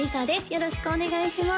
よろしくお願いします